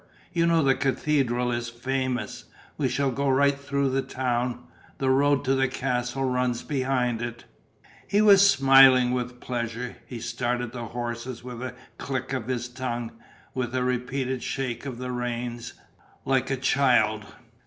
You know the cathedral is famous. We shall go right through the town: the road to the castle runs behind it." He was smiling with pleasure. He started the horses with a click of his tongue, with a repeated shake of the reins, like a child.